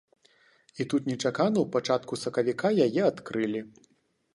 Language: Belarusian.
І тут нечакана ў пачатку сакавіка яе адкрылі.